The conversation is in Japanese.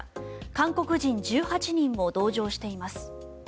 韓国人１８人も同乗しています。